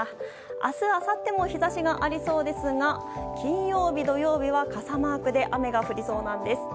明日あさっても日差しがありそうですが金曜日、土曜日は傘マークで雨が降りそうです。